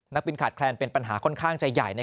นักบินขาดแคลนเป็นปัญหาค่อนข้างจะใหญ่